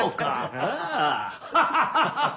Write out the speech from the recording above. ああ。